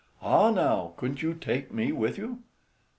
Ah, now, couldn't you take me with you?"